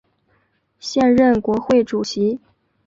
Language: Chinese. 现任国会主席。